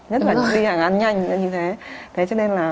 nhất là đi hàng ăn nhanh như thế